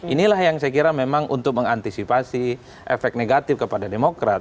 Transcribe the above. inilah yang saya kira memang untuk mengantisipasi efek negatif kepada demokrat